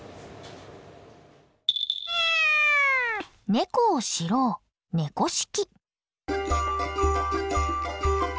猫を知ろう「猫識」。